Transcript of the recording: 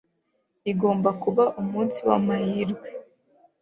Igomba kuba umunsi wamahirwe.